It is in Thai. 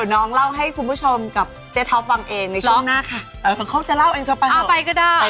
โปรดติดตามตอนต่อไป